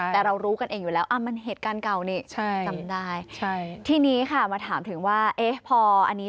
แต่เรารู้กันเองอยู่แล้วมันเหตุการณ์เก่านี่